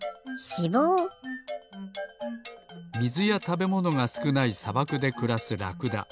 みずやたべものがすくないさばくでくらすラクダ。